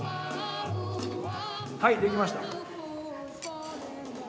はいできました。